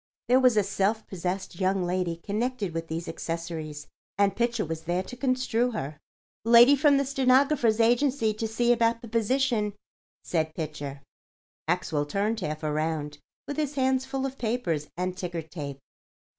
There was a self possessed young lady connected with these accessories; and Pitcher was there to construe her. "Lady from the Stenographer's Agency to see about the position," said Pitcher. Maxwell turned half around, with his hands full of papers and ticker tape.